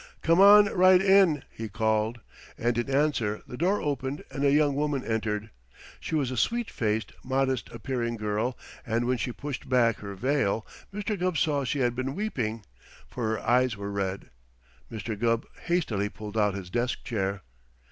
"Come on right in," he called, and in answer the door opened and a young woman entered. She was a sweet faced, modest appearing girl, and when she pushed back her veil, Mr. Gubb saw she had been weeping, for her eyes were red. Mr. Gubb hastily pulled out his desk chair.